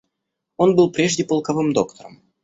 Он был прежде полковым доктором.